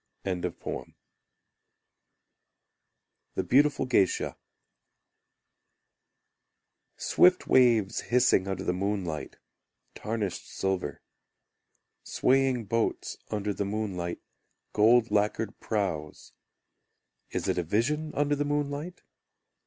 The Beautiful Geisha Swift waves hissing Under the moonlight; Tarnished silver. Swaying boats Under the moonlight, Gold lacquered prows. Is it a vision Under the moonlight?